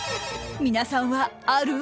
皆さんは、ある？